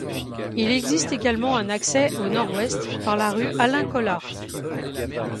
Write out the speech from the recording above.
Il existe également un accès au nord-ouest, par la rue Alain Colas.